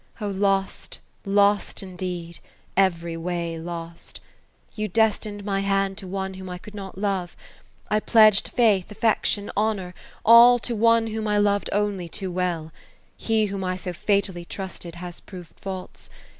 Oh, lost, lost, indeed, — every way lost f You destined my hand to one whom I could not love. I pledged faith, affection, honour, — all, to one whom I loved only too well. He whom I so fatally trusted, has proved false.